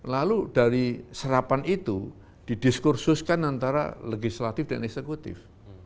lalu dari serapan itu didiskursuskan antara legislatif dan eksekutif